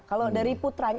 kalau dari putranya